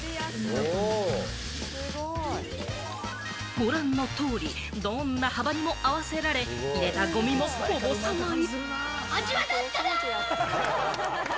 ご覧の通り、どんな幅にも合わせられ、入れたゴミもこぼさない。